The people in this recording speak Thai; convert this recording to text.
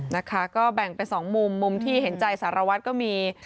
นะคะก็แบ่งเป็นสองมุมมุมที่เห็นใจสารวัตรก็มี